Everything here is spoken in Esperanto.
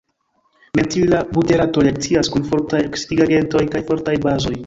Mentila buterato reakcias kun fortaj oksidigagentoj kaj fortaj bazoj.